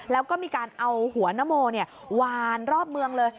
แล้วก็มีการเอาหัวนโมวานรอบเมืองเลย